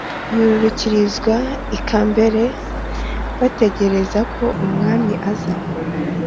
yururukirizwa ikambere bategereza ko umwami aza